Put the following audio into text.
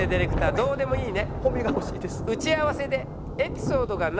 「どーでもいいね」。